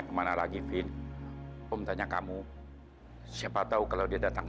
sampai jumpa di video selanjutnya